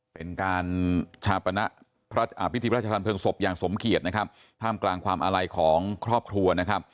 เป็นการชาปณะพิธีพระชาธารเพลิงศพอย่างสมเขตท่ามกลางความอะไลของครอบครัว